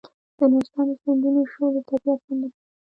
د نورستان د سیندونو شور د طبیعت سندره ده.